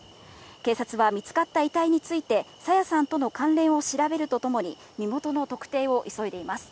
警察は、見つかった遺体について、朝芽さんとの関連を調べるとともに、身元の特定を急いでいます。